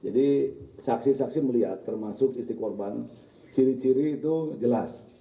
jadi saksi saksi melihat termasuk istri korban ciri ciri itu jelas